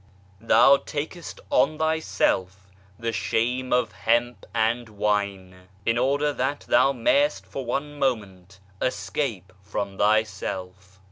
" Thou takest on thyself the shame of hemp and wine In order that thou may'st for one moment escape from thyself."